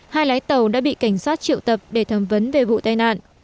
hai lái tàu đã bị cảnh sát triệu tập để thẩm vấn về vụ tai nạn